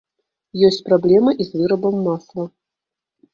Ёсць праблема і з вырабам масла.